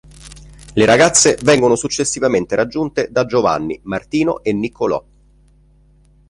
Le ragazze vengono successivamente raggiunte da Giovanni, Martino e Niccolò.